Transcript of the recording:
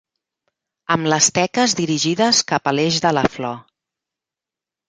Amb les teques dirigides cap a l'eix de la flor.